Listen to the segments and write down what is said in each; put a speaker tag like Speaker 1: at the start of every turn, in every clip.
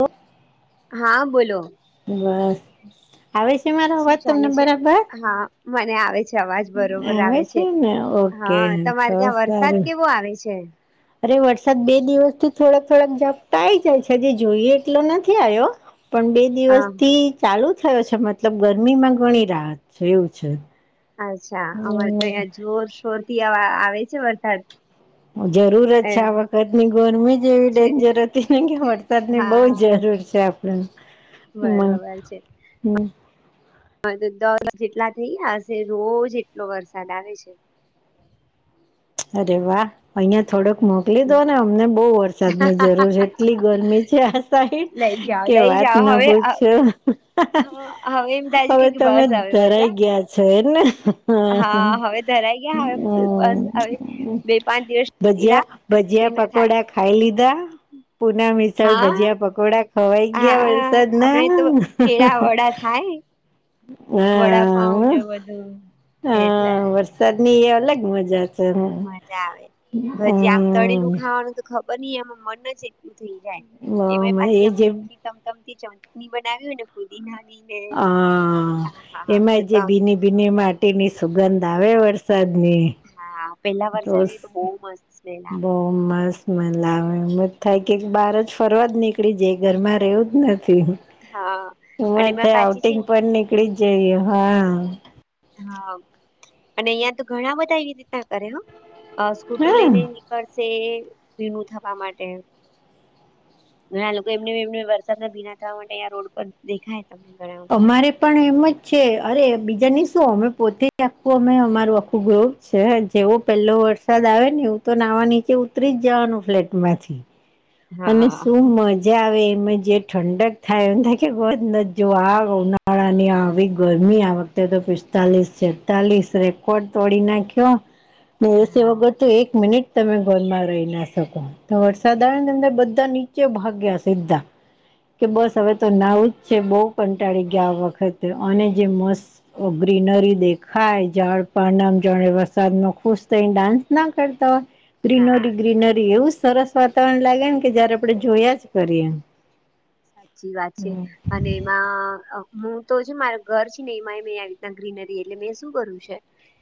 Speaker 1: ઓ
Speaker 2: હા બોલો
Speaker 1: બસ આવે છે મારો
Speaker 2: શું
Speaker 1: વાત તમને
Speaker 2: ચાલે છે?
Speaker 1: બરાબર
Speaker 2: હા મને આવે છે. અવાજ બરોબર આવે છે
Speaker 1: ને ઓકે
Speaker 2: હા તમારે
Speaker 1: તો
Speaker 2: ત્યાં વરસાદ
Speaker 1: સારું
Speaker 2: કેવો આવે છે
Speaker 1: અરે વરસાદ બે દિવસથી થોડાક થોડાક ઝપટાઈ જાય છે જે જોઈએ એટલો નથી આવ્યો પણ બે
Speaker 2: હા
Speaker 1: દિવસ થી
Speaker 2: હા.
Speaker 1: ચાલુ થયો છે મતલબ ગરમી માં ઘણી રાહત છે એવું છે
Speaker 2: અચ્છા અમારે તો અહં
Speaker 1: હમ્મ
Speaker 2: જોરશોર થી આવે છે વરસાદ
Speaker 1: જરૂરત છે
Speaker 2: એમ
Speaker 1: આ વખતની ગરમી જેવી
Speaker 2: છે
Speaker 1: ડેન્જર હતી ને કે વરસાદની બહુ
Speaker 2: હા
Speaker 1: જરૂર છે હં
Speaker 2: બરોબર છે. હા તો દર જેટલા થઈ ગયા હશે રોજ એટલો વરસાદ આવે છે.
Speaker 1: અરે વા અહિયાં થોડક મોકલી દો ને
Speaker 2: હમ.
Speaker 1: અમને બઉુ વરસાદ ની જરૂર છે, એટલી ગરમી છે આ સા
Speaker 2: લઈ જાઓ
Speaker 1: કે
Speaker 2: લઈ
Speaker 1: વાત
Speaker 2: જાઓ
Speaker 1: ન
Speaker 2: હવે હ,
Speaker 1: પૂછો.
Speaker 2: હવે એમ થાય છે
Speaker 1: હવે
Speaker 2: કે
Speaker 1: તમે
Speaker 2: બસ હવે વરસાદ
Speaker 1: ધરાઈ ગયા છો એને હ
Speaker 2: હા હવે ધરાઈ ગયા હવે તું
Speaker 1: અમ
Speaker 2: બસ હવે બે પાંચ દિવસ ત
Speaker 1: ભજીયા પકોડા ખાઈ લીધા પુના ચલ
Speaker 2: હા
Speaker 1: ભજીયા પકોડા ખવાઈ ગયા
Speaker 2: હા
Speaker 1: વરસાદ
Speaker 2: આપડે
Speaker 1: ના.
Speaker 2: તો કેળા વડાપઉને બધું એટલે
Speaker 1: ચટણી એ અલગ મજા છે. હમ્મ
Speaker 2: મજા આવે ભજીયા આમ તળેલું ખાવાનું તો ખબર ન એમાં મન જ એટલું થઈ જાય
Speaker 1: એ
Speaker 2: એમાં ય
Speaker 1: જે
Speaker 2: તમતમતી ચમટણી બનાવીયું ને ફુદીનાની ને
Speaker 1: હા એમાં જે ભીની ભીની માટી ની સુગંધ આવે વરસાદની
Speaker 2: હા પેલા વરસાદ ની તો બહ મસ્ત સ્મેલ આવે
Speaker 1: બહુ મસ્ત મજા આવે એમ જ થાય કે બાર જ ફરવા જ નીકળી જાય ઘરમાં રહેવું જ નથી.
Speaker 2: હા અને
Speaker 1: એવું
Speaker 2: એમાં
Speaker 1: થાય
Speaker 2: પાછી છે
Speaker 1: આઉટિંગ
Speaker 2: ને,
Speaker 1: પણ નીકળી જ જય
Speaker 2: હા અને અહિયાં તો ઘણા બધા એવી રીતના કરે સ્કૂટર
Speaker 1: હા
Speaker 2: લઈ ને કરશે ભીનું થવા માટે ઘણા લોકો એમને એમને વરસાદમાં ભીના થવા માટેં રોડ પર દેખાય [inaudible]
Speaker 1: અમારે પણ એમ જ છે અરે બીજા નું તો શું અમે પોતે આખું અમે અમારું આખું ગ્રુપ જેવો પહેલો વરસાદ આવે ને એવું તો નાવા નીચે ઉતરી જ જવાનું ફ્લેટ માંથી અને
Speaker 2: હા
Speaker 1: શું મજ મજા આવે એમાં જે ઠંડક થાય એમ થ ન જો આ ઉનાળાની આવી ગરમી તો પિસ્તાલીસ છેતાલીસ રેકોર્ડ તોડી નાખ્યો. એસી
Speaker 2: હા
Speaker 1: વગર તો એક મિનિટ તમે ઘરમાં રહી ના શકો તો વરસાદ આવે બધા નીચે ભાગ્યા સીધા કે બસ હવે તો નાવું જ છે બહુ કંટાળી ગયા આ વખતે અને જે મસ્ત ગ્રીનરી દેખાય જળ પાન વરસાદ ન ખુશ થઈ ડાન્સ ના કરતા હોય
Speaker 2: હા
Speaker 1: ગ્રીનરી ગ્રીનરી એવું સરસ વાતાવરણ લાગે કે જયારે આપડણે જોયા જ કરીએ.
Speaker 2: સાચી વાત છે. અને એમાં હું તો છે મારા ઘર છે ને એમાં મે આવી રીતનું ગ્રીનરી એટલે મે શું કર્યું છે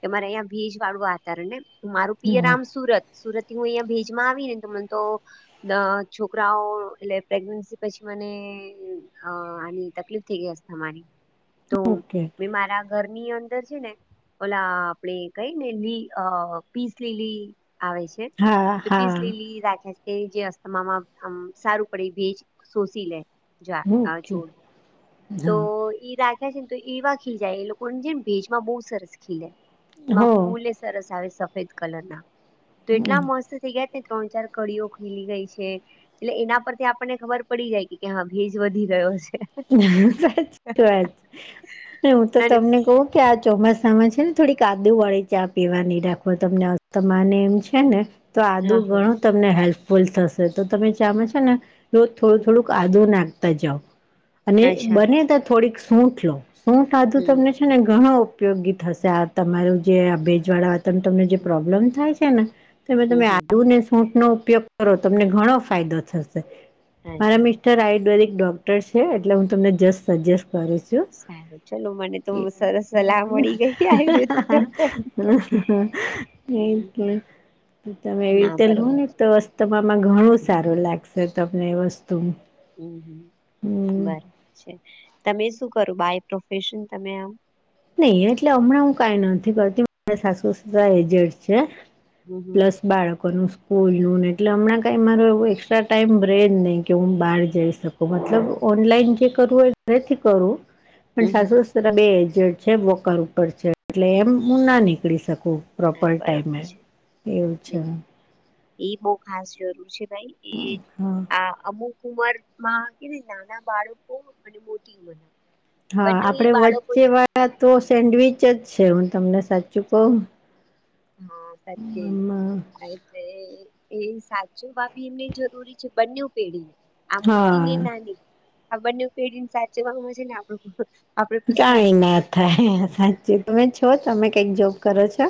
Speaker 2: કે મારે અહિ ભેજ વાળું વાતાવરણ ને મારું પિયર આમ સુરત સુરત થી હું અહિ ભેજ માં આવી ને ત મને તો છોકરાઓ એટલે પ્રેગ પછી મને અ આની તકલીફ થઈ ગઈ અસ્થમા ની તો
Speaker 1: ઓકે
Speaker 2: મે મારા ઘરની અંદર છે ને ઓલા આપડે કઈ ને લ પીસ લીલી આવે છે
Speaker 1: હા
Speaker 2: તો પીસ
Speaker 1: હા
Speaker 2: લલી રાખે તે જે અસ્થામામાં સારું પડી ભેજ શોષી લે જ
Speaker 1: ઓકે
Speaker 2: છોડ તો
Speaker 1: હા
Speaker 2: ઈ રાજ ને તો એવા ખીલ જાય એ લોકોને જેને ભેજમાં બહુ સરસ ખીલ એમાં
Speaker 1: હો
Speaker 2: ફૂલ-' સરસ આવે સફેદ કલર ના તો એટલા મસ્ત થઈ ગયા ત્રણ ચાર કડીઓ ખીલી ગઈ છે એટલે એના પરથી આપણને ખબર પડી જાય કે કે હા ભેજ વધી ગયો છે.
Speaker 1: હ સાચ વાત હું તો
Speaker 2: અને
Speaker 1: તમને કઉ કે આ ચોમાસામાં છે ને થોડી આદુ વાળી ચા પીવાની રાખો તમને અસ્થમા ને એમ છે ને તો
Speaker 2: હા
Speaker 1: આદું
Speaker 2: હા
Speaker 1: ઘણું તમને હેલ્પફુલ થશે તો તમે ચા છે ને રોજ થોડું
Speaker 2: હમ.
Speaker 1: થોડું આ આદુ નાખતા જાવ અને
Speaker 2: અચ્છા
Speaker 1: બને તો થોડીક સૂઠ લો સૂઠ આદું
Speaker 2: હમ
Speaker 1: તમને અને ઘણો ઉપયોગી થશે આ તમારું જે આ ભેજ વાળા. ત તમને જે
Speaker 2: હમ
Speaker 1: પ્રોબ્લેમ થાય છે ને તો એમે
Speaker 2: હમ
Speaker 1: તમે
Speaker 2: હમ
Speaker 1: આદુ ને સૂંઠ નો ઉપયોગ કરો તમને ઘણો ફાયદો થશે મારા
Speaker 2: અચ્છા
Speaker 1: મિસ્ટર આયુર્વેદિક ડોક્ટર છે. એટલે હું તમને જસ્ટ સજેસ્ટ કરીશ. જો.
Speaker 2: સારું ચલો મને તો સરસ સલાહ મળી ગઈ આયુર્વેદિક ડોક્ટર હમ
Speaker 1: એ તમે એવી
Speaker 2: ના
Speaker 1: રીતે લો
Speaker 2: બરોબર
Speaker 1: ને. તો અસ્થમા મા ઘણું સારું લાગશે તમને એ વસ્તુ.
Speaker 2: હમ્મ હમ્મ
Speaker 1: હમ
Speaker 2: બરાબર છે તમે શું કરો બાય પ્રોફેશન તમે આમ.
Speaker 1: નઈ એટલે હમણાં હું કઈ નથી કરતી મા સાસુ સસરા એજેડ છે
Speaker 2: હમ હમ
Speaker 1: પ્લસ બાળકોનું સ્કૂલનું ને એટલે હમણાં કંઈ મારો એવું એક્સ્ટ્રા ટાઈમ રહે જ નહીં કે હું બહાર જઈ શકું. મતલબ ઓનલાઈન જે કરવું એ ઘરેથી કરું. પણ
Speaker 2: હમ હમ
Speaker 1: સાસુ સાસરા બે એજ છે વોકર ઉપર છે એટલે એમ હું ના નીકળી શકું. પ્રોપર
Speaker 2: હા બરોબર
Speaker 1: ટાઈમે
Speaker 2: છે
Speaker 1: એવું છે.
Speaker 2: એ બહ ખાસ જરૂર છે ભાઈ એ
Speaker 1: હા
Speaker 2: આ અમુક ઉંમર માં કે નાના બાળકો અને મોટી ઉંમરના.
Speaker 1: હા
Speaker 2: બંને એ
Speaker 1: આપડે
Speaker 2: બાળકો જ
Speaker 1: વચ્ચે
Speaker 2: બની
Speaker 1: વાળા
Speaker 2: જાય.
Speaker 1: તો સેન્ડવીચ જ છે હું તમને સાચું કહું.
Speaker 2: હા સચિન
Speaker 1: આમાં
Speaker 2: આ એટલે એ. એ સાચો ભભી એમને જરૂરી છે બંને પેઢીને આ મોટી ને
Speaker 1: હા
Speaker 2: નાની. આ બંનેયુ પેઢીને સાચું આવે છે ને આપડું આપડે
Speaker 1: કાઈ ના થાય સાચું તમે છો તમે કઈક જોબ કરો છો.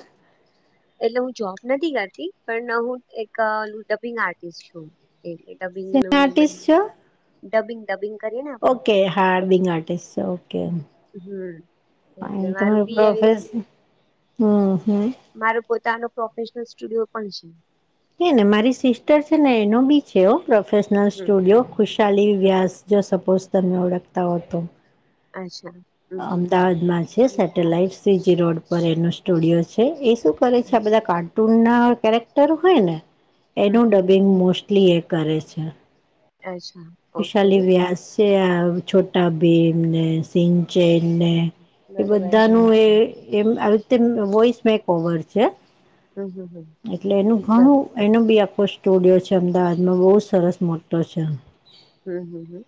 Speaker 2: એટલે હું જોબ નથી કરતી પણ હું એક ડબિંગ આર્ટિસ્ટ છું. એટલે ડબિંગનો
Speaker 1: શેના
Speaker 2: એ
Speaker 1: આર્ટિસ્ટ
Speaker 2: બધા.
Speaker 1: છો
Speaker 2: ડબિંગ ડબિંગ કરીએ ને આપણે
Speaker 1: ઓકે હા ડબિંગ આર્ટિસ્ટ ઓકે.
Speaker 2: હમ એટલે
Speaker 1: તમે
Speaker 2: મારું બી આવી
Speaker 1: પ્રોઓફે હમ્મ હમ્મ.
Speaker 2: મારુ પોતાનો પ્રોફેશનલ સ્ટુડિયો પણ છે.
Speaker 1: હે ને મારી સિસ્ટર છે ને એનો બી છે હો પ્રોફેશનલ
Speaker 2: હમ
Speaker 1: સ્ટુડિયો. ખુશહાલી
Speaker 2: હમ
Speaker 1: વ્યાસ જો સપોઝ તમે ઓળખતા હો તો.
Speaker 2: અચ્છા. હમ હમ
Speaker 1: અમદાવાદમાં છે સેટેલાઈટ
Speaker 2: અમદાવાદમાં
Speaker 1: સીજી રોડ પર એનો સ્ટુડિયો છે એ શું કરે છે આ
Speaker 2: અચ્છા
Speaker 1: બધા કાર્ટૂન ના કેરેક્ટર હોય ને
Speaker 2: હમ
Speaker 1: એનું
Speaker 2: હમ
Speaker 1: ડબિંગ મોસ્ટ લિ એ કરે છે.
Speaker 2: અચ્છા. ઓકે
Speaker 1: ખુશલી વ્યાસ આ છોટા ભીમ સિંઘ
Speaker 2: હમ હમ
Speaker 1: ચેને એ
Speaker 2: બરોબર છે
Speaker 1: બધાનું એ એમ આવી રીતે વોઈસ મેક ઓવર છે
Speaker 2: હમ હમ હમ
Speaker 1: એટલે એનું ઘણું
Speaker 2: બરાબર
Speaker 1: એનો બી આખો સ્ટુડિયો છે અમદાવાદમાં બહુ સરસ મોટો છે.
Speaker 2: હમ હમ હમ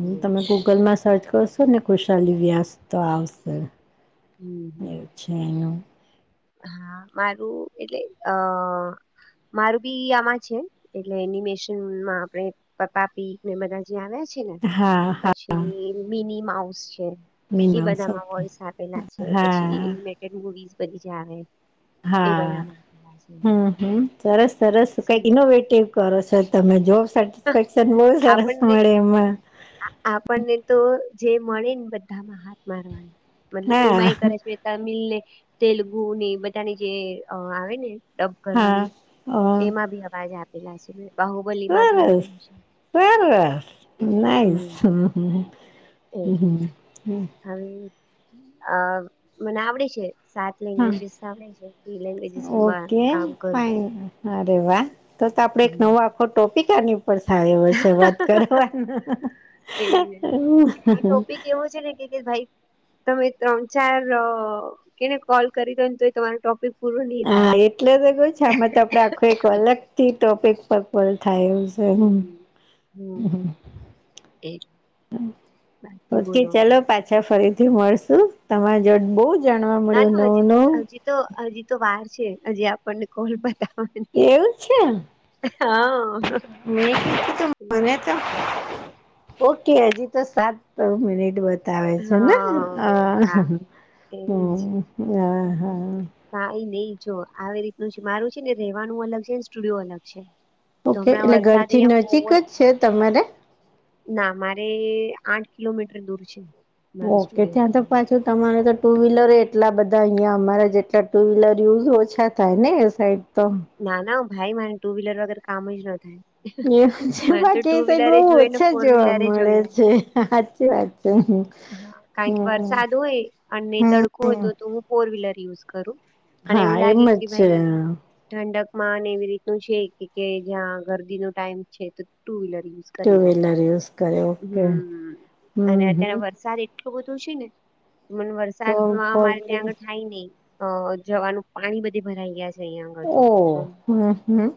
Speaker 2: અરે વાહ.
Speaker 1: તમે ગૂગલમાં સર્ચ સર્ચ કરશો ને ખુશાલી વ્યાસ તો આવશે
Speaker 2: હમ હમ
Speaker 1: એવું છે એનું.
Speaker 2: હા મારું એટલે અ મારું બી આમાં છે એટલે એનિમેશનમાં આપણે પપ્પાપી ને બધા જે આવ્યા છે ને
Speaker 1: હા હા
Speaker 2: પછી મિની માઉસ છે.
Speaker 1: મીન
Speaker 2: એ
Speaker 1: માઉસ
Speaker 2: બધામાં
Speaker 1: ઓકે
Speaker 2: વોઇસ આપેલા છે પછી
Speaker 1: હા
Speaker 2: એનિમેટેડ મુવીઝ બધી જ આવે એ
Speaker 1: હા
Speaker 2: બધામાં આપેલા છે
Speaker 1: હમ્મ હમ્મ સરસ સરસ કઈ
Speaker 2: સીન
Speaker 1: ઇનોવેટિવ. કરો છો તમે જોબ સેટિસફેક્શન બહું સરસ મળે એમાં.
Speaker 2: આ આપણને તો જે મળે ને બધામાં હાથ મારવાની મતલબ એમાંય
Speaker 1: હા
Speaker 2: કરે છે. તમિલ ને તેલુગુ ને એ બધાની જે આવે ને. ડબ
Speaker 1: હા
Speaker 2: કરવાની
Speaker 1: અ
Speaker 2: એમાં બી અવાજ આપેલા છે બાહુબલીમાં ભી આપ
Speaker 1: સરસ સરસ નાઇસ
Speaker 2: હમ
Speaker 1: હમ્મ હમ્મ.
Speaker 2: એટલે
Speaker 1: હમ્મ.
Speaker 2: હવે આ મને આવડે છે. સાત
Speaker 1: હા
Speaker 2: લેંગ્વેજસ સાંભળે છે એ લેંગ્વેજીસમાં
Speaker 1: ઓકે
Speaker 2: કામ કરવું.
Speaker 1: ફાઈન અરે વાહ તો તો આપડે એક નવો આખો ટોપિક આની પણ થાય એવો છે, વાત કરવાનો
Speaker 2: એ આ ટોપિક એવો છે ને ભાઈ તમે ત્રણ ચાર કેને કોલ કરી દોને તો તમારો ટોપિક પૂરો નહી થાય
Speaker 1: હા એટલે તો ગ છે આમાં તો આપડે આખું એક અલગ થી ટોપિક પરલ થાય એવું છે. સ હમ હ હ
Speaker 2: એજ બાકી
Speaker 1: ઓકે
Speaker 2: બોલો
Speaker 1: ચલો પાછી. અચ્છા ફરીથી મળશું તમારા જોડ બો બધું
Speaker 2: ના ના હજી હજી તો હજી તો વાર છે હજી આપણને કોલ બતા
Speaker 1: એવું
Speaker 2: હ
Speaker 1: મે ક તો મને તો ઓકે હજી તો સાત મિનિટ બાકી તા આવે છે ને હા. હમ્મ, હા, હા, હા.
Speaker 2: ના ઈ નઈ જોવે આવી રીતનું છે મારું છે ને રેવાનું અલગ છે ને સ્ટુડિયો અલગ છે. તો
Speaker 1: ઓકે
Speaker 2: હમણાં
Speaker 1: એટલે
Speaker 2: વરસાદ
Speaker 1: ઘરથી
Speaker 2: અહિયાં
Speaker 1: નજીક
Speaker 2: બહુ
Speaker 1: જ છે તમારે
Speaker 2: ના મારે આઠ કિલોમીટર દૂર છે. મારો
Speaker 1: ઓકે
Speaker 2: સ્ટુડિયો
Speaker 1: ત્યા તો, પાછું તમારે તો ટુ વ્હીલર એટલા બધા અહિયા અમારે જેટલા ટુ વ્હીલર યુઝ ઓછા, થાય ને એ સાઈડ તો.
Speaker 2: ના ના ભાઈ મારે ટુ વ્હીલર વગર કામ જ ના થાય.
Speaker 1: એવું છે
Speaker 2: મને તો
Speaker 1: બાકી
Speaker 2: ટુ
Speaker 1: એ સાઈડ
Speaker 2: વ્હીલરે
Speaker 1: બહુ
Speaker 2: જોએ ને
Speaker 1: ઓછા
Speaker 2: ફોર
Speaker 1: જોવા
Speaker 2: વ્હીલરે
Speaker 1: મળે
Speaker 2: જોઈએ.
Speaker 1: છે સાચી વાત હમ,
Speaker 2: હા કારણ કે વરસાદ હોય અને તડકો હોય
Speaker 1: હમ
Speaker 2: તો તો હું ફોર વ્હીલર યુઝ કરું. અને એવું
Speaker 1: હા
Speaker 2: લાગે
Speaker 1: એમ જ
Speaker 2: કે
Speaker 1: છે
Speaker 2: ભાઈ ઠંડક માં ને એવી રીત નું છે કે જ્યાં ગરદી નો ટાઈમ છે તો ટુ વ્લર યુઝ
Speaker 1: ટુ
Speaker 2: કરી દો
Speaker 1: વ્હીલર યુઝ કરે ઓકે હમ હમ.
Speaker 2: એટલું બધું છે ને મને
Speaker 1: તો
Speaker 2: વરસાદમાં
Speaker 1: ફોર
Speaker 2: મારે ત્યાં
Speaker 1: વ્હીલર
Speaker 2: આગળ થાય નહી. અ જવાનું પાણી બધે ભરાઈ ગયા છે અહિયાં આગળ તો
Speaker 1: ઓ હમ હમ.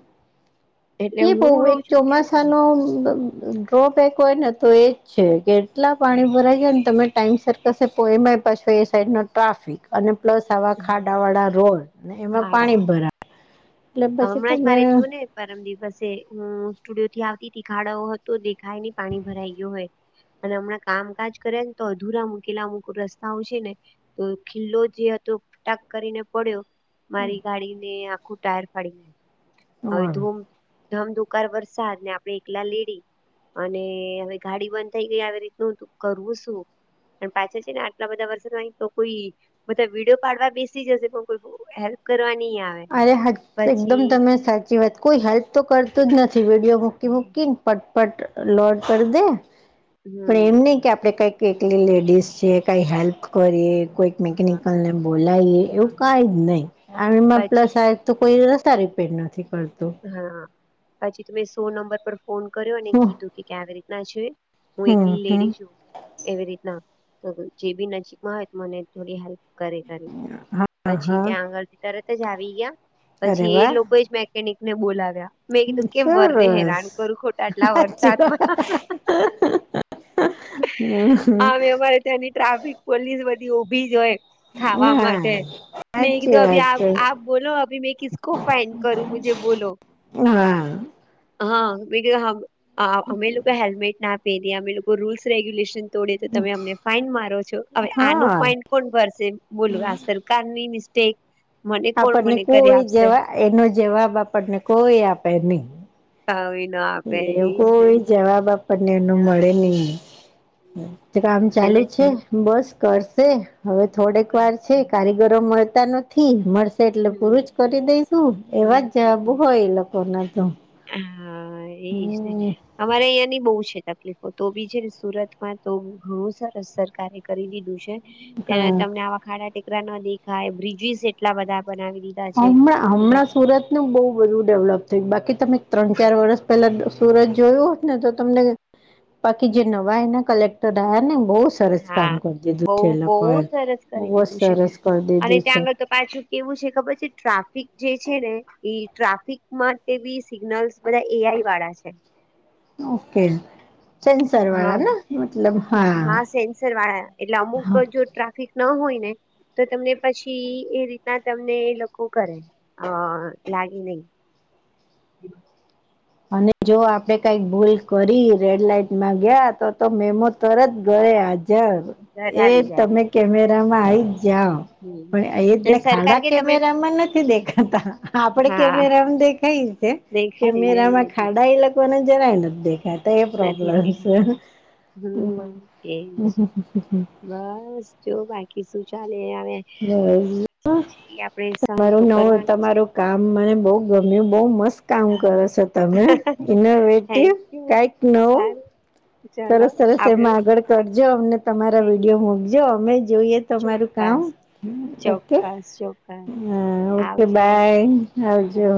Speaker 2: એટલે
Speaker 1: ઈ
Speaker 2: હું
Speaker 1: બહું
Speaker 2: રહું
Speaker 1: એક
Speaker 2: છું ત્યાં આગળ
Speaker 1: ચોમાસાનો
Speaker 2: નહી
Speaker 1: બ ટોપેક હોય ને તો એજ છે કે એટલા પાણી ભરાય જાય ને તમે, ટાઈમ છ તો [unintelligible] અને એમાંય એ સાઈડ નો ટ્રાફિક અને પ્લસ આવા ખાડાવાળા રોડ. ને એમાં
Speaker 2: હાડ
Speaker 1: પાણી
Speaker 2: આવે
Speaker 1: ભરા,
Speaker 2: હમણાં જ મારે થ્યું ને, પરમ દિવસે હું સ્ટુડિયો થી આવતી તી ખાડો હતો દેખાય નહી પાણી ભરાઈ ગ્યું હોય. અને હમણાં કામકાજ કર્યા ને તો અધુરા મુૂકેલા અમુક રસ્તાઓ છે ને તો ખિલ્લો જે હતો અ ટક કરીને પડ્યો મારી ગાડી ને આખું ટાયર ફાડી, નાખ્યું હવે ધૂમ ધમધુકાર વરસાદ ને આપણે એકલા લેડી અને હવે ગાડી બંધ થઈ ગઈ આવી રીતનું કરવું શું. પણ પાછા છે ને આટલા બધા વર્ષો અહી તો કોઈ બધા વિડીયો પાડવા બેસી જશે પણ કોઈ હેલ્પ કરવા નહી આવે.
Speaker 1: અરે હ એકદમ
Speaker 2: પછી
Speaker 1: તમે સાચી વાત કોઈ હેલ્પ તો કરતું જ નથી વિડીયો મૂકી મૂકીને પટ પટ લોડ કર દે. પણ
Speaker 2: હમ
Speaker 1: એમ નહી કે આપડે કાઈક એકલી લેડીશ છે કઈ હેલ્પ કરીએ કોઈક,
Speaker 2: હા
Speaker 1: મકેનિકલ ને બોલાએ
Speaker 2: હા
Speaker 1: એવું કઈ જ નહી આ એમાં,
Speaker 2: પછી
Speaker 1: એક તો કોઈ રસ્તા રિપેર નથી કરતું.
Speaker 2: હા પછી તો મેં સો નંબર પર ફોન કર્યો અને
Speaker 1: હમ
Speaker 2: કીધું કે કે આવી રીતના છે. હું
Speaker 1: હમ
Speaker 2: એકલી
Speaker 1: હમ
Speaker 2: લેડી છું એવી રીતના જે બી નજીકમાં હોય તો મને થોડી હેલ્પ કરે કરે
Speaker 1: હા
Speaker 2: પછી
Speaker 1: હા
Speaker 2: ત્યાં આગળ તરત જ આવી ગ્યા
Speaker 1: અરે
Speaker 2: પછી એ
Speaker 1: વાહ
Speaker 2: લોકો એ જ મ કેનિક ને બોલાવ્યા.
Speaker 1: સરસ
Speaker 2: વરને હેરાન
Speaker 1: સાચી
Speaker 2: કરું ખોટા આટલા
Speaker 1: વાત
Speaker 2: વરસાદમાં
Speaker 1: હ
Speaker 2: આમે
Speaker 1: હ. હ અ હ.
Speaker 2: તેની ટ્રાફિક પોલીસ બધી ઊભી જ હોય. ખાવા
Speaker 1: હા
Speaker 2: માટે મે
Speaker 1: સાચી
Speaker 2: કીધું અભી
Speaker 1: વાત
Speaker 2: આપ
Speaker 1: છે
Speaker 2: આપ બોલો અભી મેં કિસકો ફાઈન કરું. બોલો
Speaker 1: હા
Speaker 2: હા અમે લોકો હેલ્મેટ ના પેરી લોકો રૂલ્સ રેગુલેશન તોડી તો તમે અમને ફાઈન મારો છો હવે આનું
Speaker 1: હા
Speaker 2: ફાઈન કોણ ભરશે.? બોલ આ સર કારની મિસ્ટેક, મને કોણ
Speaker 1: આપણને
Speaker 2: મને કરી
Speaker 1: કોઈ
Speaker 2: આપશે?
Speaker 1: જવા એનો જવાબ આપણને કોઈ આપે નહી.
Speaker 2: એ ન આપે
Speaker 1: એ
Speaker 2: એજ ને,
Speaker 1: કોઈ જવાબ આપણને એનો
Speaker 2: ના.
Speaker 1: મળે નહીં. કામ ચાલુ
Speaker 2: એટલે
Speaker 1: જ બસ કરશે હવે થોડેક વાર છે કારીગરો મળતા નથી. મળશે, એટલે
Speaker 2: હમ
Speaker 1: પૂરું જ કરી દઈશું એવા જ જવાબ હોય એ લોકો ના તો.
Speaker 2: હ એ જને!
Speaker 1: હમ
Speaker 2: અમારે અહં ની બહુ છે તકલીફો તો બી છે સુરતમાં તો ઘઉ સરસ સરકારે કરી દીધું છે. ત
Speaker 1: હા
Speaker 2: તમને આવા ખાડા ટેકરા ન દેખાય બ્રિજીસ એટલા બધા બનાવી દીધા. છે
Speaker 1: હણાં
Speaker 2: એકદમ,
Speaker 1: હમણાં સુરતનું બહુ બધું ડેવલપ થયું બાકી તમે ત્રણ ચાર વર્ષ પેલા સુરત જોયું હોત ને તો તમને બાકી જે નવા એ કલેક્ટર આવ્યા ને બહુ સરસ
Speaker 2: હા
Speaker 1: કામ કરી દિધું
Speaker 2: બહુ
Speaker 1: છે એ
Speaker 2: બહુ
Speaker 1: લોકોએ
Speaker 2: સરસ કરી દીધું છે
Speaker 1: સરસ કરી
Speaker 2: અને
Speaker 1: દીધું છે.
Speaker 2: ત્યાં આગળ તો પાછું કેવું છે ખબર છે ટ્રાફિક જે છે ને? એ ટ્રાફિકમાં તે બી સિગ્નલ્સ બધા એ આઈ વાળા છે.
Speaker 1: ઓકે સેન્સર
Speaker 2: હા
Speaker 1: વાળા ને મતલબ
Speaker 2: હા સેન્સર વાળા, એટલે અમુક
Speaker 1: હા
Speaker 2: જો ટ્રાફિક ન હોય ને તો તમને પછી એ રીતના તમને એ લોકો કરે. હ લાગી નઈ.
Speaker 1: અને જો આપડે કઈક ભૂલ કરી, રેડ લાઈટમાં ગયા તો, તમે મો તરત ગળે હાજર
Speaker 2: ઘર
Speaker 1: એ
Speaker 2: આવી જાય
Speaker 1: તમે કેમેરા માં આવી જ જાઓ.
Speaker 2: હમ
Speaker 1: પણ
Speaker 2: એટલે
Speaker 1: એને
Speaker 2: સરકાર
Speaker 1: ખાડા
Speaker 2: કે તમે
Speaker 1: કેમેરામાં નથી દેખાતા આપડે
Speaker 2: હા
Speaker 1: કેમેરામાં દેખાય છે.
Speaker 2: દેખાય જોઈએ
Speaker 1: મેરામાં ખાડા એ લખવા ને જરાય નથી દેખા. તે
Speaker 2: નથી
Speaker 1: પ્રોબ્લેમ છે.
Speaker 2: દેખાતા હમ એજ બસ જો બાકી શું ચાલે હવે.?
Speaker 1: બસ
Speaker 2: છે એ આપણે સહન તો
Speaker 1: તમારું ન
Speaker 2: કરવાનું છે
Speaker 1: તમારું કામ મને બઉ ગમ્યું બઉ મસ્ત! કામ
Speaker 2: હા
Speaker 1: કરો છો તમે ઇનોવેટિવ
Speaker 2: થેન્ક યુ
Speaker 1: કંઈક નવુ
Speaker 2: સારું ચલો
Speaker 1: સરસ સરસ એમ
Speaker 2: આપડે
Speaker 1: આગળ કરજો, અમને તમારા
Speaker 2: થેન્ક
Speaker 1: વિડીયો
Speaker 2: યુ
Speaker 1: મુકજો, અમે જોઈએ. તમારું કામ,
Speaker 2: ચોક્કસ
Speaker 1: ઓકે,
Speaker 2: ચોક્કસ ચોક્કસ
Speaker 1: ઓકે
Speaker 2: આવજો
Speaker 1: બાય.
Speaker 2: બાય
Speaker 1: આવજો.